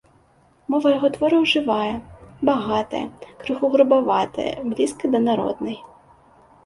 Мова яго твораў жывая, багатая, крыху грубаватая, блізкая да народнай.